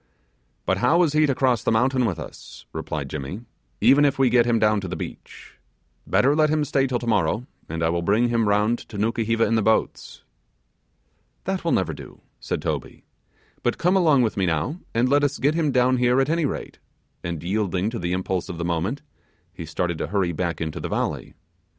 'But how is he to cross the mountain with us,' replied Jimmy, 'even if we get him down to the beach? Better let him stay till tomorrow, and I will bring him round to Nukuheva in the boats.' 'That will never do,' said Toby, 'but come along with me now, and let us get him down here at any rate,' and yielding to the impulse of the moment, he started to hurry back into the valley.